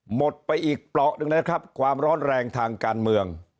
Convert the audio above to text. หมดไปอีกเปราะหนึ่งนะครับความร้อนแรงทางการเมือง